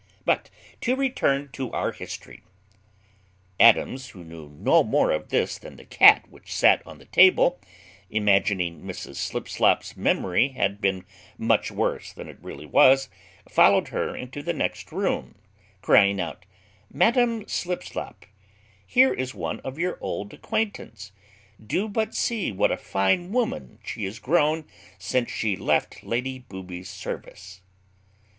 But to return to our history: Adams, who knew no more of this than the cat which sat on the table, imagining Mrs Slipslop's memory had been much worse than it really was, followed her into the next room, crying out, "Madam Slipslop, here is one of your old acquaintance; do but see what a fine woman she is grown since she left Lady Booby's service."